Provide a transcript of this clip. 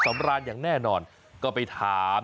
สำราญอย่างแน่นอนก็ไปถาม